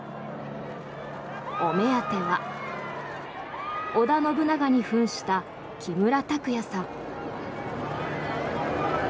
お目当ては、織田信長に扮した木村拓哉さん。